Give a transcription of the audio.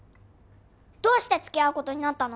どうして付き合うことになったの？